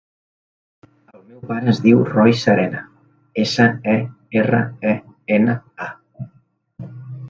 El meu pare es diu Roi Serena: essa, e, erra, e, ena, a.